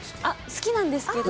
好きなんですけど。